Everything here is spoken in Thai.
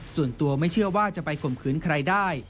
ส่วนตัวไม่เชื่อว่าจะไปข่มขืนใครได้